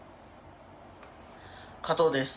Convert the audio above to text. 加藤です。